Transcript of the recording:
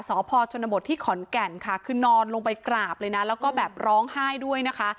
สพชนบทที่ขอนแก่นค่ะคือนอนลงไปกราบเลยนะแล้วก็แบบร้องไห้ด้วยนะคะ